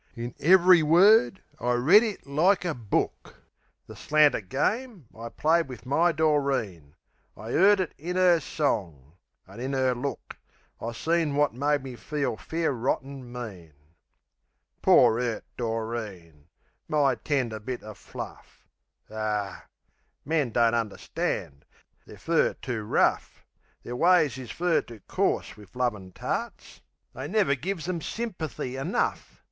In ev'ry word I read it like a book The slanter game I'd played wiv my Doreen I 'eard it in 'er song; an' in 'er look I seen wot made me feel fair rotten mean. Poor, 'urt Doreen! My tender bit o' fluff! Ar, men don't understand; they're fur too rough; Their ways is fur too coarse wiv lovin' tarts; They never gives 'em symperthy enough.